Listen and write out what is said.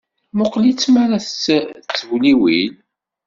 Mmuqqel-itt mi ara tettewliwil.